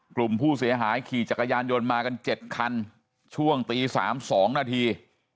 กลุ่มผู้เสียหายขี่จักรยานยนต์มากัน๗คันช่วงตี๓๒นาที